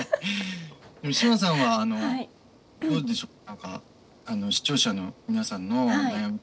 志麻さんはどうでしょう。